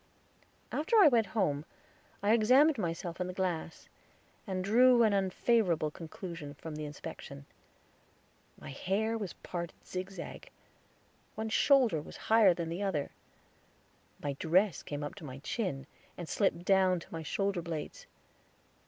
After I went home I examined myself in the glass, and drew an unfavorable conclusion from the inspection. My hair was parted zigzag; one shoulder was higher than the other; my dress came up to my chin, and slipped down to my shoulder blades.